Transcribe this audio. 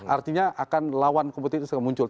artinya akan lawan kompetitif segera muncul